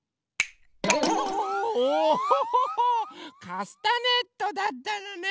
カスタネットだったのね。